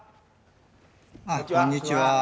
あっこんにちは。